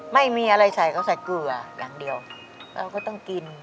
ไม่มีอะไรใส่เขาใส่เกลืออย่างเดียวเราก็ต้องกิน